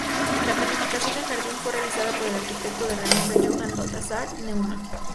La planificación del jardín fue realizada por el arquitecto de renombre Johann Balthasar Neumann.